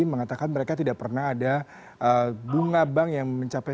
mengatakan mereka tidak pernah ada bunga bank yang mencapai